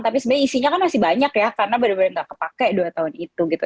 tapi sebenarnya isinya kan masih banyak ya karena benar benar tidak terpakai dua tahun itu